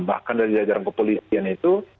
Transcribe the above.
bahkan dari jajaran kepolisian itu